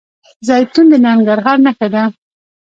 زیتون د ننګرهار نښه ده.